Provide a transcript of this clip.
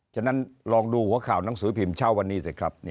ฉะนั้นลองดูหัวข่าวหนังสือพิมพ์เช้าวันนี้สิครับ